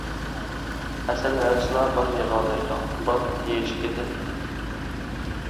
ھەسەل ھەرىسىلا بال يىغالايدۇ، بال يەشىكىدىن ئەمەس، مۇھىتتىن.